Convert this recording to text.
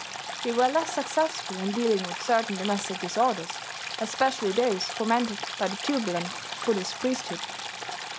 They were less successful in dealing with certain domestic disorders, especially those fomented by the turbulent Buddhist priesthood.